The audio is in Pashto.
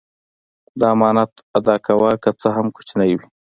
د امانت ادا کوه که څه هم کوچنی وي.